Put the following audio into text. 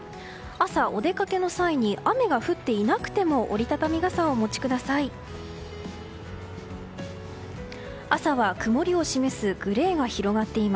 朝、お出かけの際に雨が降っていなくても折り畳み傘をお持ちください。